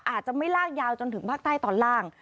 อาจจะไม่ลากยาวจนถึงภาคใต้ตอนล่าง